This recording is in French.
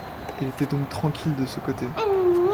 Il était donc tranquille de ce côté.